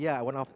iya salah satu